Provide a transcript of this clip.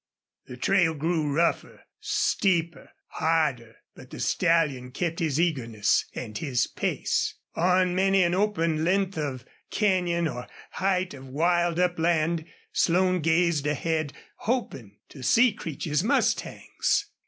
The trail grew rougher, steeper, harder, but the stallion kept his eagerness and his pace. On many an open length of canyon or height of wild upland Slone gazed ahead hoping to see Creech's mustangs.